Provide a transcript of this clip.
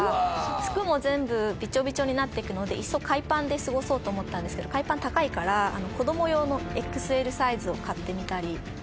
服も全部ビチョビチョになっていくのでいっそ海パンで過ごそうと思ったんですけど海パン高いから子供用のＸＬサイズを買ってみたりとか。